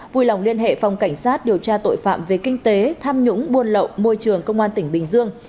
vui lòng liên hệ phòng cảnh sát điều tra tội phạm về kinh tế tham nhũng buôn lậu môi trường công an tỉnh bình dương